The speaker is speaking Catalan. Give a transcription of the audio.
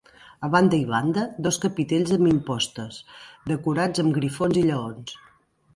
A banda i banda, dos capitells amb impostes, decorats amb grifons i lleons.